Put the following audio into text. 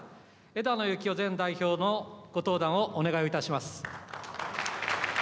枝野幸男前代表のご登壇をお願いをいたします。